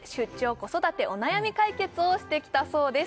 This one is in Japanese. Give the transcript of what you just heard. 子育てお悩み解決をしてきたそうです